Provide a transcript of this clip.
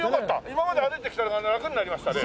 今まで歩いてきたのがラクになりましたね。